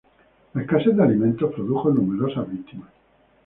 La escasez de alimentos produjo numerosas víctimas.